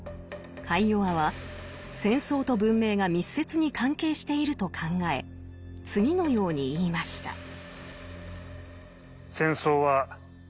カイヨワは戦争と文明が密接に関係していると考え次のように言いました。